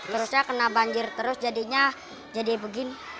terusnya kena banjir terus jadinya jadi begini